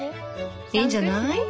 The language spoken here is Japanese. いいんじゃない？